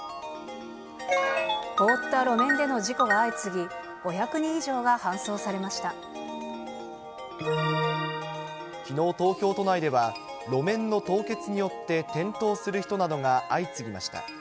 凍った路面での事故が相次ぎ、きのう東京都内では、路面の凍結によって転倒する人などが相次ぎました。